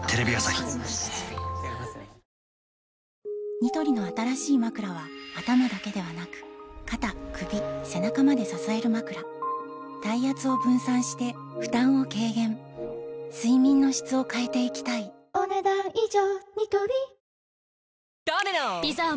ニトリの新しいまくらは頭だけではなく肩・首・背中まで支えるまくら体圧を分散して負担を軽減睡眠の質を変えていきたいお、ねだん以上。